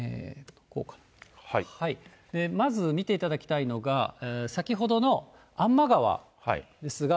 まず見ていただきたいのが、先ほどの安間川ですが。